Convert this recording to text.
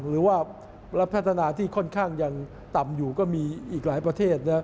หรือว่ารับพัฒนาที่ค่อนข้างยังต่ำอยู่ก็มีอีกหลายประเทศ